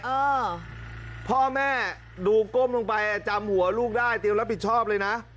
เออพ่อแม่ดูก้มลงไปอ่ะจำหัวลูกได้เตรียมรับผิดชอบเลยนะ